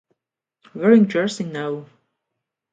Wearing jersey no.